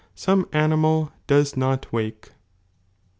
Some animal docs not wake.